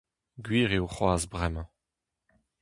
Gwir eo c'hoazh bremañ.